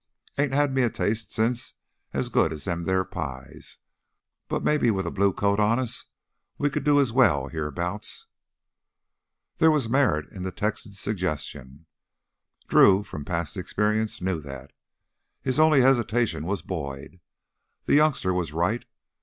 Ain't had me a taste since as good as them theah pies. But maybe with a blue coat on us we could do as well heah 'bouts." There was merit in the Texan's suggestion. Drew, from past experience, knew that. His only hesitation was Boyd. The youngster was right.